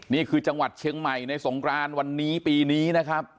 นี่คือจังหวัดเชียงใหม่ในสงครานวันนี้ปีนี้นะครับ